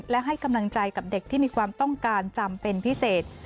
และให้กำลังใจกับเด็กที่มีความต้องการจำเป็นพิเศษ